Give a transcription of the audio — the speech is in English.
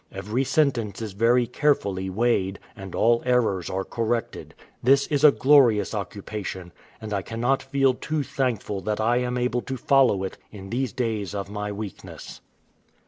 Every sentence is very carefully weighed, and all errors are corrected. This is a glorious occupation, and I cannot feel too thankful that I am able to follow it in these days of my weakness."